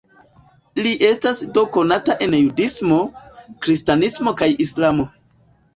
Li estas do konata en judismo, kristanismo kaj islamo.